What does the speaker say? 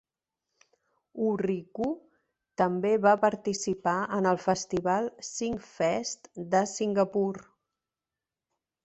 Orrico també va participar en el festival Singfest de Singapur.